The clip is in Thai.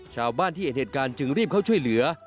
ชาวบ้านที่เห็นเหตุการณ์จึงรีบเข้าช่วยเหลือ